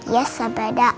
ya sabar dak